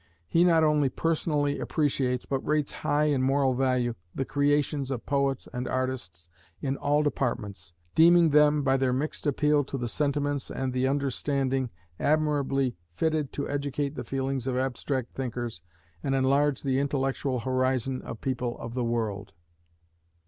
He not only personally appreciates, but rates high in moral value, the creations of poets and artists in all departments, deeming them, by their mixed appeal to the sentiments and the understanding, admirably fitted to educate the feelings of abstract thinkers, and enlarge the intellectual horizon of people of the world.